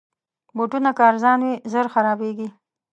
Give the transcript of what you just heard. بوټونه که ارزانه وي، ژر خرابیږي.